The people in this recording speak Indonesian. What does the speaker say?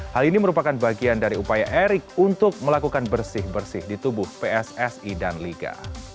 hal ini merupakan bagian dari upaya erick untuk melakukan bersih bersih di tubuh pssi dan liga